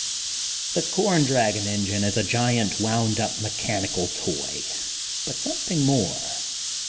The com dragon engine is a giant wonnd up mechanical toy bnt something more.